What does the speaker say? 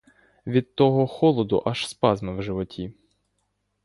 Від того холоду аж спазми в животі.